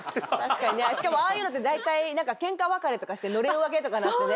しかもああいうのって大体。とかしてのれん分けとかになってね。